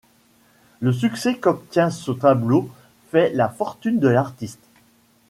Le succès qu'obtient ce tableau fait la fortune de l'artiste.